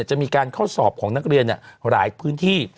จะมีการเข้าสอบของนักเรียนหลายพื้นที่